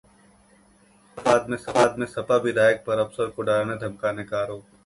इलाहबाद में सपा विधायक पर अफसर को डराने धमकाने का आरोप